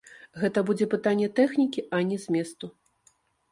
Гэта будзе пытанне тэхнікі, а не зместу.